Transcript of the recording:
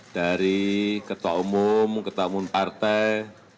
dari ketua umum ketua umum partai